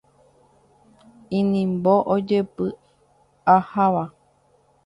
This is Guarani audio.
Inimbo ojepyaháva.